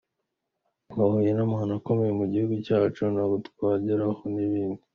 Twahuye n’amahano akomeye mu gihugu cyacu ntago twagerekaho n’ibindi”.